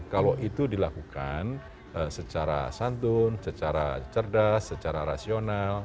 kalau itu dilakukan secara santun secara cerdas secara rasional